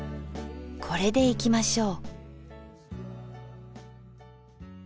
これでいきましょ。